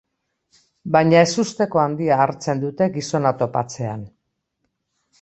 Baina ezusteko handia hartzen dute gizona topatzean.